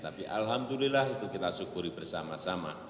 tapi alhamdulillah itu kita syukuri bersama sama